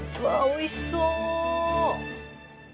おいしそう。